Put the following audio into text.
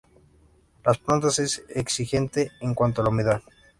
La planta es exigente en cuanto a humedad.